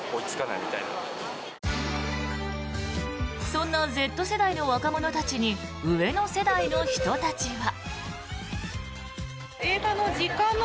そんなＺ世代の若者たちに上の世代の人たちは。